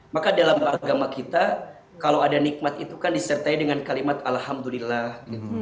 maka dalam agama kita kalau ada nikmat itu kan disertai dengan kalimat alhamdulillah